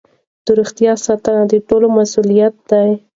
د روغتیا ساتنه د ټولو مسؤلیت دی.